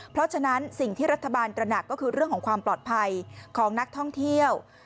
เพราะฉะนั้นสิ่งที่รัฐบาลตระหนักก็คือเรื่องของความปลอดภัยของนักท่องเที่ยว